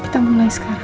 kita mulai sekarang ya